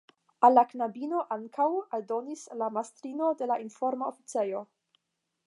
Kaj al knabinoj ankaŭ, aldonis la mastrino de la informa oficejo.